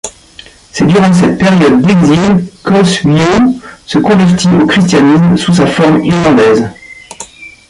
C'est durant cette période d'exil qu'Oswiu se convertit au christianisme, sous sa forme irlandaise.